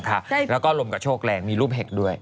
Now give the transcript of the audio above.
แล้วก็ลมกระโชกแรงมีรูปเห็ดด้วย